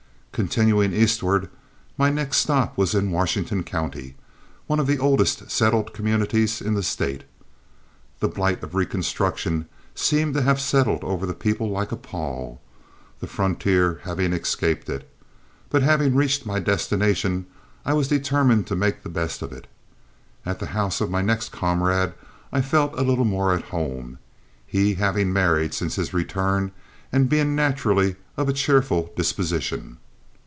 Continuing eastward, my next stop was in Washington County, one of the oldest settled communities in the State. The blight of Reconstruction seemed to have settled over the people like a pall, the frontier having escaped it. But having reached my destination, I was determined to make the best of it. At the house of my next comrade I felt a little more at home, he having married since his return and being naturally of a cheerful disposition.